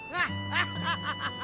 ハッハハハ！